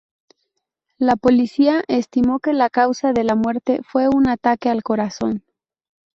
La policía estimó que la causa de la muerte fue un ataque al corazón.